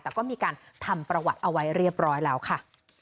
แต่ก็มีการทำประวัติเอาไว้เรียบร้อยแล้วค่ะ